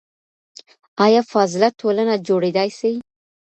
آیا فاضله ټولنه جوړیدای سي؟